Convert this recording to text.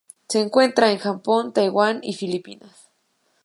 Se encuentra en el Japón Taiwán y Filipinas.